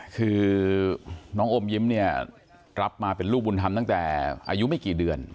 คือน้องอมยิ้มเนี่ยรับมาเป็นลูกบุญธรรมตั้งแต่อายุไม่กี่เดือน